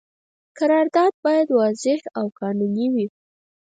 قرارداد باید واضح او قانوني وي.